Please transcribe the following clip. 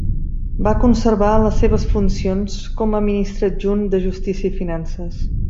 Va conservar les seves funcions com a ministre adjunt de Justícia i Finances.